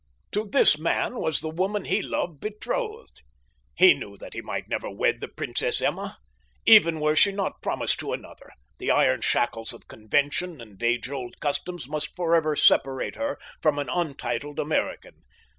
To this man was the woman he loved betrothed! He knew that he might never wed the Princess Emma. Even were she not promised to another, the iron shackles of convention and age old customs must forever separate her from an untitled American.